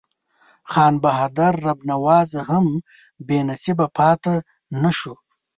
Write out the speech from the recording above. خان بهادر رب نواز هم بې نصیبه پاته نه شو.